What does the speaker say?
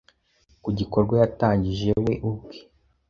ku gikorwa yatangije we ubwe